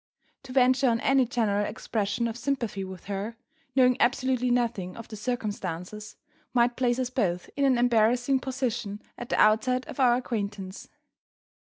To venture on any general expression of sympathy with her, knowing absolutely nothing of the circumstances, might place us both in an embarrassing position at the outset of our acquaintance.